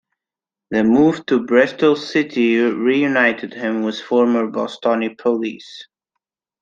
The move to Bristol City reunited him with former boss Tony Pulis.